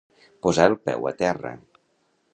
Posar el peu a terra.